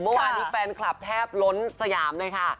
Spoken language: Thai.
เมื่อวานนี้แฟนคลับแทบล้นสยามเลยค่ะ